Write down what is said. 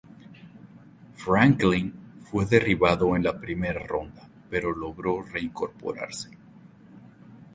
Franklin fue derribado en la primera ronda pero logró reincorporarse.